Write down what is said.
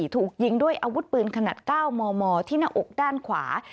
ถูกยิงด้วยอาวุธปืนขนาด๙มมที่หน้าอกด้านขวา